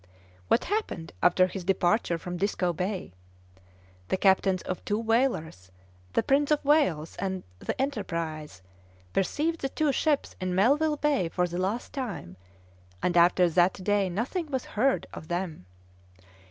What happened after his departure from Disko Bay? The captains of two whalers, the Prince of Wales and the Enterprise, perceived the two ships in Melville Bay for the last time, and after that day nothing was heard of them.